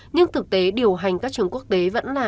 nhưng thực tế điều hành các trường quốc tế vẫn là